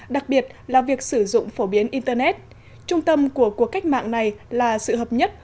đặc biệt là việc sử dụng phổ biến internet trung tâm của cuộc cách mạng này là sự hợp nhất